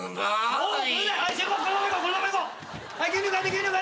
はい。